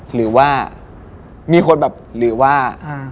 หรือว่ามีคนแบบหรือว่า